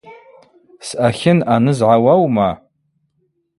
Съатлын ъаныз гӏауаума?